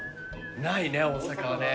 ないね大阪はね。